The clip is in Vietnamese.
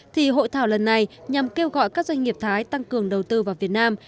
thì hội thảo lần này nhằm kêu gọi các doanh nghiệp thái tăng cường đầu tư vào việt nam